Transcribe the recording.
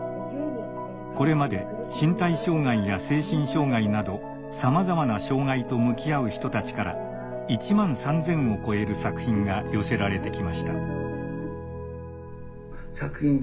これまで身体障害や精神障害などさまざまな障害と向き合う人たちから１万３，０００を超える作品が寄せられてきました。